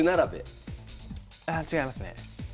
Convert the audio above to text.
ああ違いますね。